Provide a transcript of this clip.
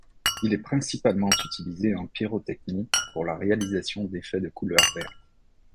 Il est principalement utilisé en pyrotechnie pour la réalisation d'effets de couleur verte.